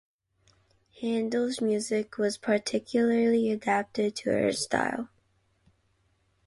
Handel's music was particularly adapted to her style.